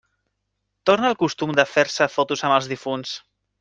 Torna el costum de fer-se fotos amb els difunts.